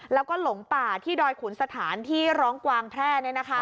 แล้วก็หลงป่าที่ดอยขุนสถานที่ร้องกวางแพร่